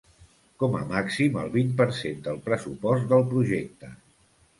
Com a màxim, el vint per cent del pressupost del projecte.